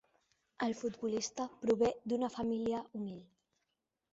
El futbolista prové d'una família humil.